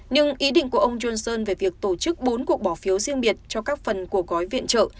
nhưng ý định của ông johnson về việc tổ chức bốn cuộc bỏ phiếu riêng biệt cho các phần của gói viện trợ